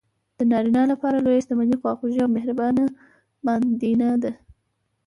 د نارینه لپاره لویه شتمني خواخوږې او مهربانه ماندینه ده.